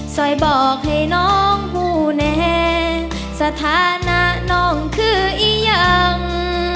ซอยบอกให้น้องผู้แน่สถานะน้องคืออียัง